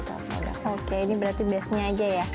oke ini berarti bestnya aja ya